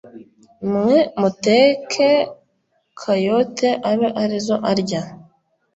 Mwe muteke kayote abe arizo arya